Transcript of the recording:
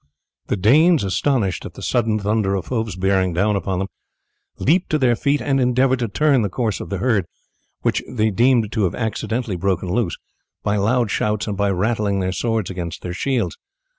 The Danes, astonished at the sudden thunder of hoofs bearing down upon them, leaped to their feet and endeavoured to turn the course of the herd, which they deemed to have accidentally broken loose, by loud shouts and by rattling their swords against their shields.